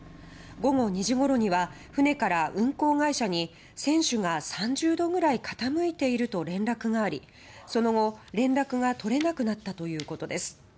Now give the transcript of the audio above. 午後２時ごろには船から運航会社に船首が３０度ぐらい傾いていると連絡がありその後、連絡が取れなくなったということです。